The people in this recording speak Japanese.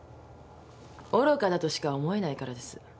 愚かだとしか思えないからです。